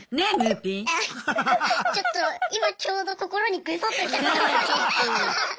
あちょっと今ちょうど心にグサッときた。